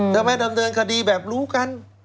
ทำไมดำเนินคดีแบบรู้กัน